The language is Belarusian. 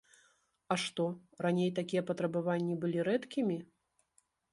А што, раней такія патрабаванні былі рэдкімі?